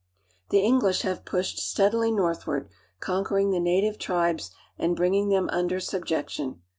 The English have pushed steadily northward, conquer [ ing the native tribes and bringing them under subjection.